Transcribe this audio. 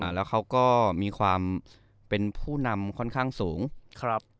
แล้วเขาก็มีความเป็นผู้นำค่อนข้างสูงครับ